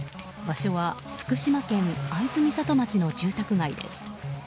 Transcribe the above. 場所は福島県会津美里町の住宅街です。